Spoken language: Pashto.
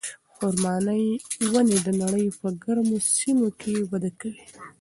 خورما ونې د نړۍ په ګرمو سیمو کې وده کوي.